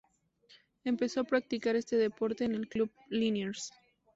Empezó a practicar este deporte en el Club Liniers.